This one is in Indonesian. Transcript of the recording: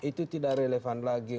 itu tidak relevan lagi